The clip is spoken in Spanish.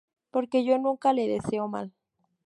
Porque yo nunca le deseo mal..